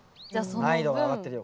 難易度が上がってるよ